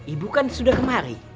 ibu kan sudah kemari